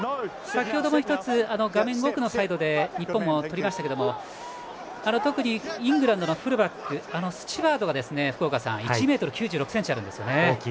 先程も１つ、画面奥のサイドで日本もとりましたが特にイングランドのフルバックスチュワートが福岡さん１ｍ９６ｃｍあるんですよね。